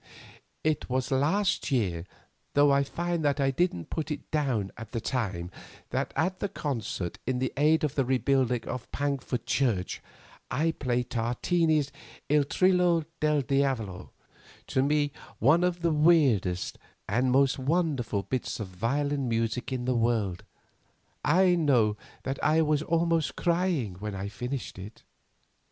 "It was last year, though I find that I didn't put it down at the time, that at the concert in aid of the rebuilding of Pankford church I played Tartini's 'Il Trillo del Diavolo,' to me one of the weirdest and most wonderful bits of violin music in the world. I know that I was almost crying when I finished it.